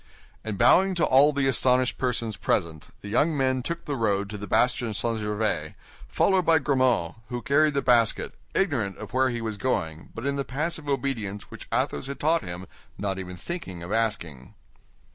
And bowing to all the astonished persons present, the young men took the road to the bastion St. Gervais, followed by Grimaud, who carried the basket, ignorant of where he was going but in the passive obedience which Athos had taught him not even thinking of asking.